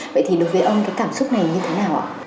vậy thì đối với ông cái cảm xúc này như thế nào ạ